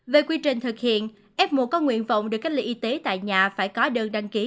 về quy trình thực hiện f một có nguyện vọng được cách ly y tế tại nhà phải có đơn đăng ký